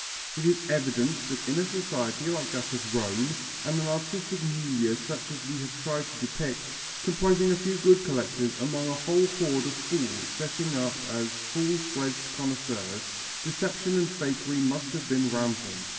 It is evident that in a society like that of Rome and an artistic milieu such as we have tried to depict, comprising a few good collectors among a whole hoard of fools setting up as full fledged connoisseurs, deception and fakery must have been rampant.